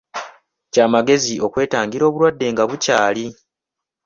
Kya magezi okwetangira obulwadde nga bukyali.